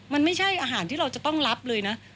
มันไม่ใช่อาหารที่เราจะต้องรับเลยนะ